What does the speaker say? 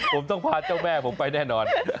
ผมต้องพาเจ้าแม่ผมไปแน่นอน